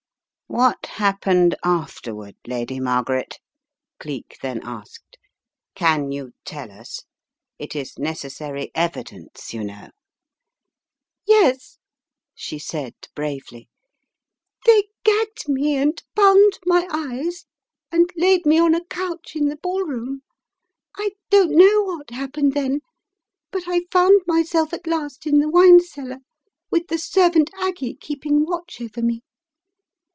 "What happened afterward, Lady Margaret?" Cleek then asked. "Can you tell us? It is neces sary evidence, you know " "Yes," she said, bravely, "they gagged me and bound my eyes and laid me on a couch in the ball room. ... I don't know what happened then, but I found myself at last in the wine cellar with the servant Aggie keeping watch over me.